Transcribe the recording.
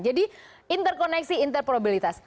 jadi interkoneksi interprobabilitas